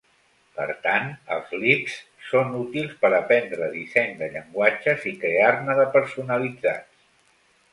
Per tant, els lisps són útils per aprendre disseny de llenguatges i crear-ne de personalitzats.